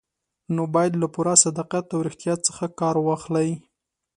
نو باید له پوره صداقت او ریښتیا څخه کار واخلئ.